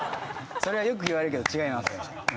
それはよく言われるけど違います。